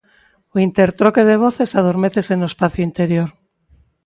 O intertroque de voces adormécese no espacio interior.